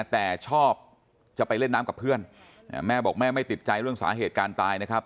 แต่ชอบจะไปเล่นน้ำกับเพื่อนแม่บอกแม่ไม่ติดใจเรื่องสาเหตุการณ์ตายนะครับ